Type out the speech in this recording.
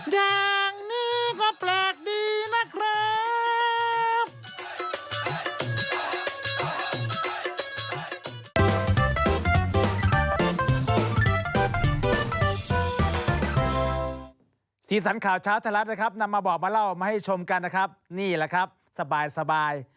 อย่างนี้ก็แปลกดีนะครับ